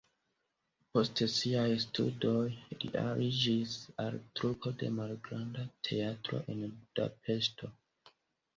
Post siaj studoj li aliĝis al trupo de malgranda teatro en Budapeŝto.